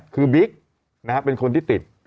คือบิ๊กเป็นคนที่ติด